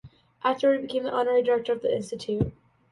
Afterward he became the honorary director of the institute.